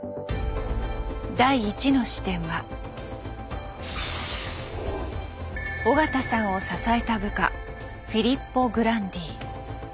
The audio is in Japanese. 第１の視点は緒方さんを支えた部下フィリッポ・グランディ。